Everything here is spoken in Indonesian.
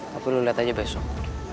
tapi lu liat aja besok